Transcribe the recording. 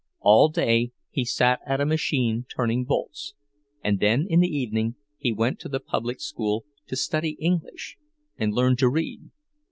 All day he sat at a machine turning bolts; and then in the evening he went to the public school to study English and learn to read.